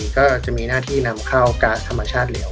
ก็จะมีหน้าที่นำเข้าก๊าซธรรมชาติแล้ว